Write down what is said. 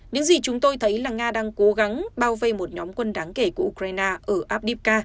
những gì chúng tôi thấy là nga đang cố gắng bao vây một nhóm quân đáng kể của ukraine